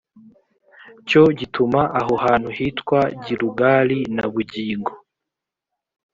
cyo gituma aho hantu hitwa gilugali na bugingo